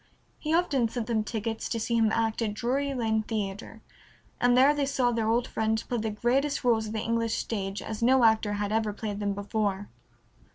He often sent them tickets to see him act at Drury Lane Theatre, and there they saw their friend play the greatest rôles of the English stage as no actor had ever played them before.